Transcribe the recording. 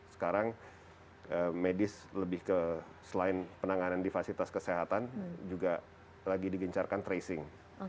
sekarang medis lebih ke selain penanganan di fasilitas kesehatan juga lagi digencarkan tracing